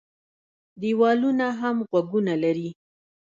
ـ دېوالونو هم غوږونه لري.